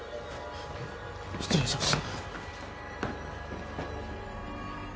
失礼します。